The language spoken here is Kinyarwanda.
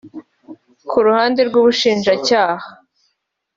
Ku ruhande rw'Ubushinjacyaha